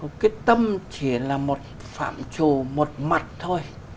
một cái tâm chỉ là một phạm trù một mặt thôi